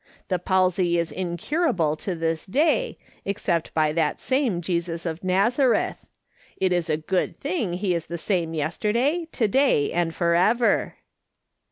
The palsy is incurable to this day, except by that same Jesus of Nazareth. It is a good thing lie is the same yesterday, to day, and for ever.'